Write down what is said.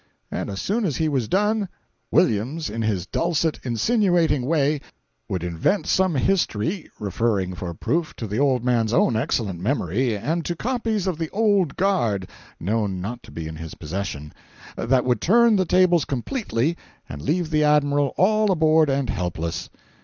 And as soon as he was done, Williams in his dulcet, insinuating way, would invent some history (referring for proof, to the old man's own excellent memory and to copies of "The Old Guard" known not to be in his possession) that would turn the tables completely and leave the Admiral all abroad and helpless.